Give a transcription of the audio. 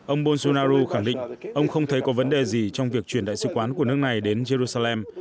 ông bolsunau khẳng định ông không thấy có vấn đề gì trong việc chuyển đại sứ quán của nước này đến jerusalem